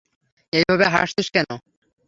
এইভাবে হাসছিস কেনো?